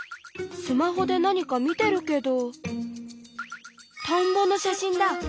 スマホで何か見てるけど田んぼの写真だ！